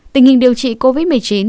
tình hình điều trị covid một mươi chín